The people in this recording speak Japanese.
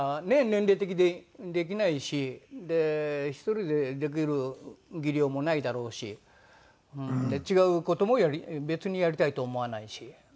年齢的にできないし１人でできる技量もないだろうし違う事も別にやりたいと思わないし。